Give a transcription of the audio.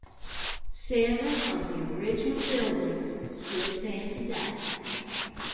Seven of the original buildings still stand today.